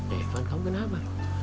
evan kamu kenapa